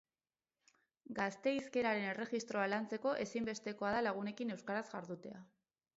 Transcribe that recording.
Gazte hizkeraren erregistroa lantzeko ezinbestekoa da lagunekin euskaraz jardutea.